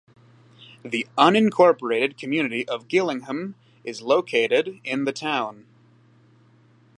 The unincorporated community of Gillingham is located in the town.